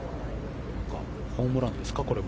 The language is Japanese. ホームランですか？